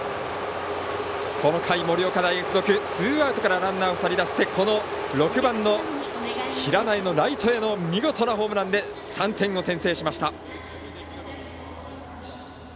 この回、盛岡大付属ツーアウトからランナー２人出してこの６番、平内のライトへの見事なホームランで３点を先制しました。